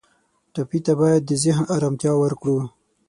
ټپي ته باید د ذهن آرامتیا ورکړو.